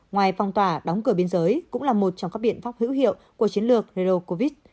ngoài phong tỏa đóng cửa biên giới cũng là một trong các biện pháp hữu hiệu của chiến lược hero covid